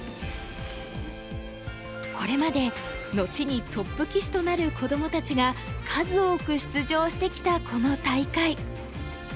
これまで後にトップ棋士となる子どもたちが数多く出場してきたこの大会。